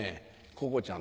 コウコちゃん